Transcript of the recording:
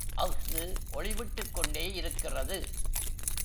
அஃது ஒளிவிட்டுக் கொண்டே இருக்கிறது.